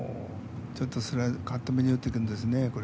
ちょっとスライドカットめに打ってくんですねこれ。